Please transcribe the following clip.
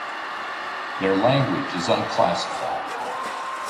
Their language is unclassified.